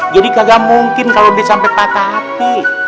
jadi kagak mungkin kalo dia sampai patah hati